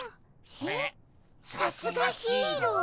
えさすがヒーロー？